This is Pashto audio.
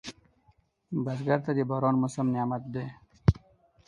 بزګر ته د باران موسم نعمت دی